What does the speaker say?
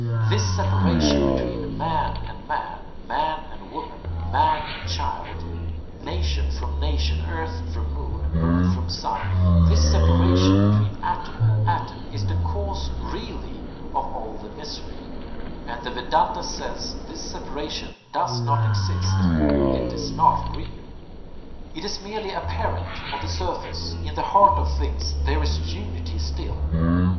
...This separation between man and man, man and woman, man and child, nation from nation, earth from moon, moon from sun, this separation between atom and atom is the cause really of all the misery, and the Vedanta says this separation does not exist, it is not real. It is merely apparent, on the surface. In the heart of things there is Unity still.